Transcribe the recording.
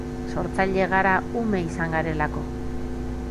Sortzaile gara ume izan garelako.